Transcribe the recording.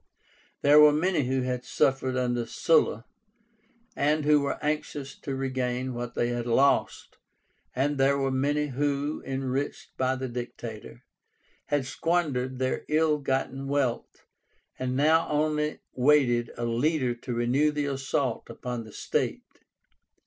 There were many who had suffered under Sulla, and who were anxious to regain what they had lost, and there were many who, enriched by the Dictator, had squandered their ill gotten wealth, and now only waited a leader to renew the assault upon the state.